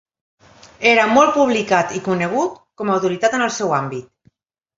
Era molt publicat i conegut com a autoritat en el seu àmbit.